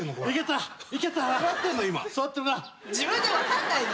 自分で分かんないの？